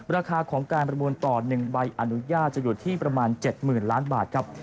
ราคาของการประมูลต่อ๑ใบอนุญาตจะอยู่ที่ประมาณ๗๐๐ล้านบาทครับ